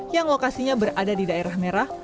yang lokasinya berada di daerah merah